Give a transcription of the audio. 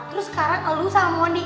terus sekarang aldo sama monde